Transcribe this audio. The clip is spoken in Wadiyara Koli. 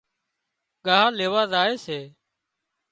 ڳاه ليوا زائي سي